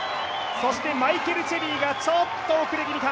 そしてマイケル・チェリーがちょっと遅れ気味か。